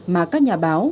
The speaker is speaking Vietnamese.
mà các nhà báo